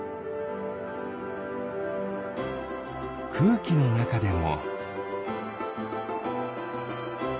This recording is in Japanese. くうきのなかでも。